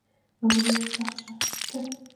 مګر یو سخت شرط پکې شته.